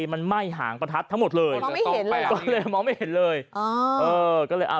มันไหม้หางประทัดทั้งหมดเลยมองไม่เห็นเลยเออก็เลยอ่า